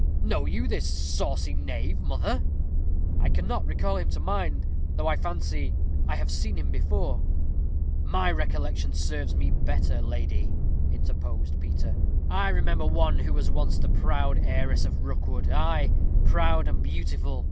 "Know you this saucy knave, mother?" "I cannot call him to mind, though I fancy I have seen him before." "My recollection serves me better, lady," interposed Peter. "I remember one who was once the proud heiress of Rookwood ay, proud and beautiful.